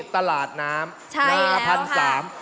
ตลาดน้ำนาพันสาม